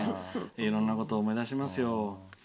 いろんなことを思い出しますよ。